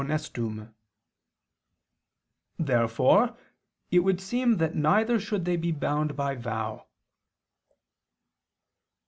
Honestum.). Therefore it would seem that neither should they be bound by vow.